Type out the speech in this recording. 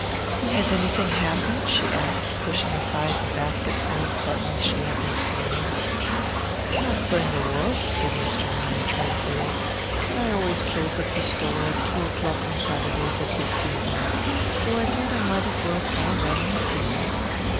"Has anything happened?" she asked, pushing aside the basketful of buttons she had been sorting. "Not's I know of," said Mr. Ramy tranquilly. "But I always close up the store at two o'clock Saturdays at this season, so I thought I might as well call round and see you."